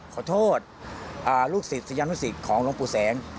ขอโทษลูกศิษย์ศิยนศิษย์ของหลวงปู่แสง